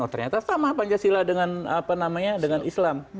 oh ternyata sama pancasila dengan apa namanya dengan islam